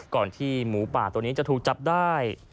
ที่หมูป่าตัวนี้จะถูกจับได้